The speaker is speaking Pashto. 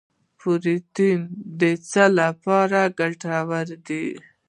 پروټین د څه لپاره ګټور دی